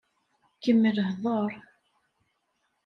Kemmel hdeṛ.